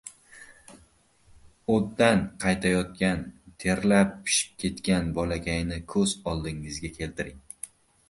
o‘tdan qaytayotgan, terlab pishib ketgan bolakayni ko‘z oldingizga keltiring.